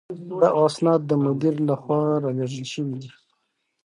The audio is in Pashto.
دغه اسناد د مدير له خوا رالېږل شوي دي.